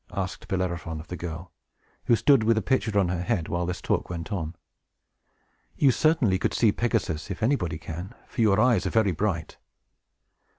asked Bellerophon of the girl, who stood with the pitcher on her head, while this talk went on. "You certainly could see Pegasus, if anybody can, for your eyes are very bright."